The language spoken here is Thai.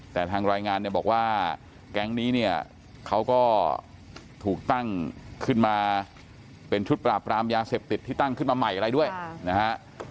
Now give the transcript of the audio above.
แต่ทางรายงานเนี่ยบอกว่าแก๊งนี้เนี่ยเขาก็ถูกตั้งขึ้นมาเป็นชุดปราบรามยาเสพติดที่ตั้งขึ้นมาใหม่อะไรด้วยนะฮะ